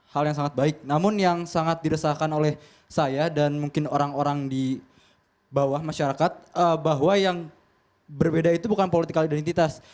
hal yang sangat baik namun yang sangat diresahkan oleh saya dan mungkin orang orang di bawah masyarakat bahwa yang berbeda itu bukan politik identitas